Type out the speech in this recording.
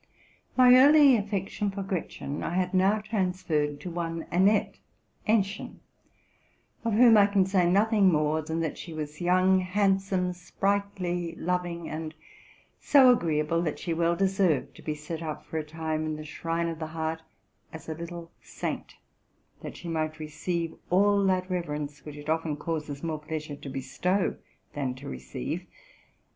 My early affection for Gretchen I had now transferred to one Annette (Aennchen), of whom I can say nothing more than that she was young, handsome, sprightly, loving, and so agreeable that she well deserved to be set up for a time in the shrine of the heart as a little saint, that she might receive ali that reverence which it often causes more pleasure to bestow than to receive.